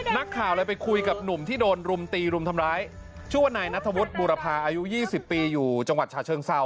นักข่าวเลยไปคุยกับหนุ่มที่โดนรุมตีรุมทำร้ายชื่อว่านายนัทธวุฒิบุรพาอายุ๒๐ปีอยู่จังหวัดฉะเชิงเซา